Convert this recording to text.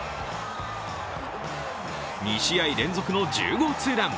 ２試合連続の１０号ツーラン。